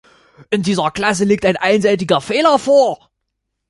In dieser Klasse liegt ein einseitiger Fehler vor.